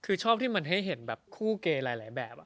คือชอบที่มันให้เห็นแบบคู่เกย์หลายแบบ